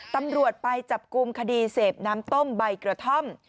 ตำรวจไปจับกลุ่มคดีเสพน้ำต้มใบกระท่อม